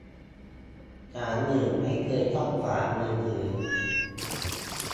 ศาลอื่นไม่เคยต้องฝากมือถือ